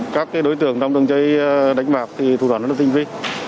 các đối tượng trong đường chơi đánh bạc thì thủ đoàn đã tinh viên